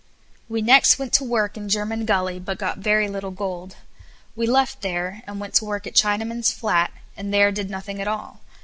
We next went to work in German Gully, but got very little gold. We left there and went to work at Chinaman's Flat, and there did nothing at all.